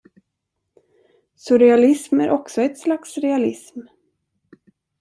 Surrealism är också ett slags realism.